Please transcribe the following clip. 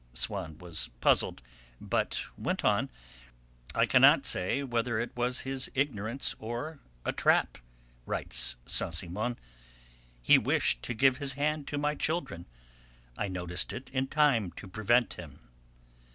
Swann was puzzled, but went on: "'I cannot say whether it was his ignorance or a trap,' writes Saint Simon; 'he wished to give his hand to my children. I noticed it in time to prevent him.'"